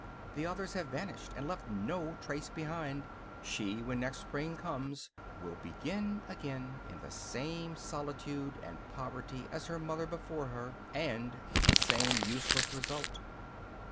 The others have vanished, and left no trace behind; she, when next spring comes, will begin again, in the same solitude and poverty as her mother before her, and with the same useless result.